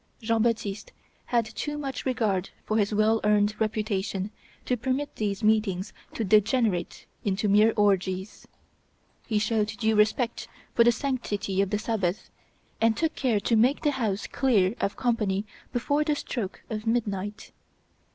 Jean Baptiste had too much regard for his well earned reputation to permit these meetings to degenerate into mere orgies. He showed due respect for the sanctity of the Sabbath, and took care to make the house clear of company before the stroke of midnight.